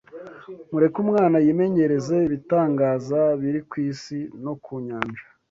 Mureke umwana yimenyereze ibitangaza biri ku isi no ku nyanja